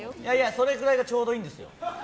それぐらいがちょうどいいんです。